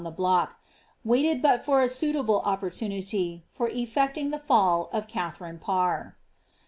51 the block, waited but for a suitable opportunity, for efiectingf the fall of Katharine Parr.